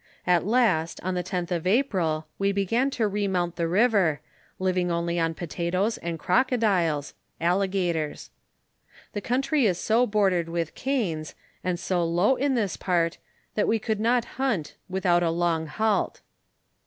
At last on the tenth of April, we began to remount the river, living only on potatoes and crocodiles (alligators). The country is so bordered with canes, and so low in this part, that we could not hunt, without a long halt.